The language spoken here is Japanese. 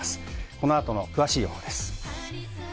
この後の詳しい予報です。